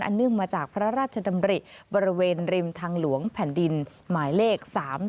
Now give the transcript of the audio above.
เนื่องมาจากพระราชดำริบริเวณริมทางหลวงแผ่นดินหมายเลข๓๒